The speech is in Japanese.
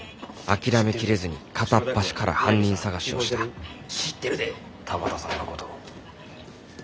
諦めきれずに片っ端から犯人捜しをした田畑さんのこと。